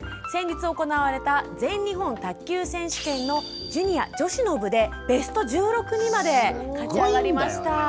先日行われた全日本卓球選手権のジュニア女子の部でベスト１６にまで勝ち上がりました。